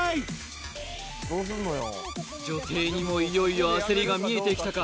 女帝にもいよいよ焦りがみえてきたか